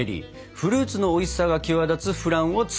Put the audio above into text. フルーツのおいしさが際立つフランを作ります！